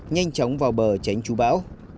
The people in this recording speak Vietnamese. nhanh chóng vào bờ tránh chú bão